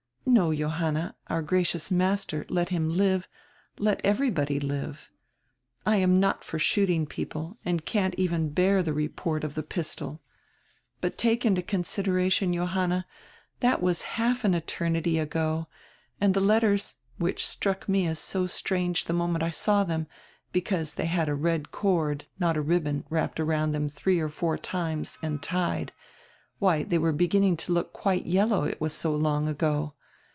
"No, Johanna, our gracious master, let him live, let everybody live. I am not for shooting people and can't even bear the report of the pistol. But take into consider ation, Johanna, that was half an eternity ago, and the let ters, which struck me as so strange the moment I saw them, because they had a red cord, not a ribbon, wrapped around them three or four times and tied — why, they were begin ning to look quite yellow, it was so long ago.